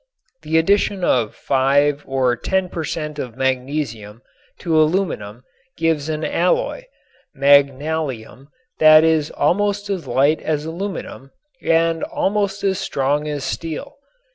The addition of 5 or 10 per cent. of magnesium to aluminum gives an alloy (magnalium) that is almost as light as aluminum and almost as strong as steel.